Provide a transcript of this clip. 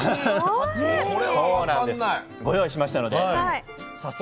ご用意しましたので早速。